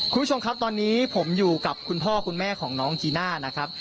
คุณผู้ชมครับตอนนี้ผมอยู่กับคุณพ่อคุณแม่ของน้องจีน่านะครับ